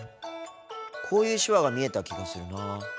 こういう手話が見えた気がするなぁ。